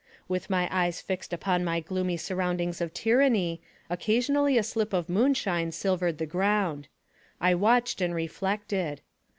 With my eyes fixed upon my glooray surroundings of tyranny, occasionally a slip of moonshine silvered the ground. I watched and reflected.